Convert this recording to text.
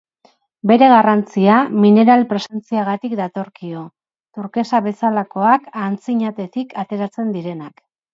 Bere garrantzia, mineral presentziagatik datorkio, turkesa bezalakoak, antzinatetik ateratzen direnak.